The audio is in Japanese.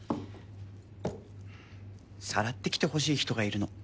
さらってきてほしい人がいるの。